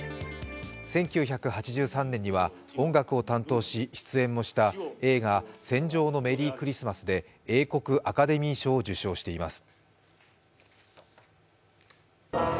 １９８３年には音楽を担当し出演もした映画「戦場のメリークリスマス」で英国アカデミー賞を受賞しています。